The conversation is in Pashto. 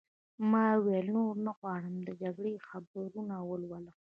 ما وویل: نور نه غواړم د جګړې خبرونه ولولم.